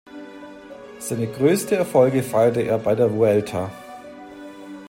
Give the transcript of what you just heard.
Seine größte Erfolge feierte er bei der Vuelta.